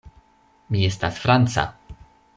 Mi estas franca.